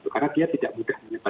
karena dia tidak mudah menyebar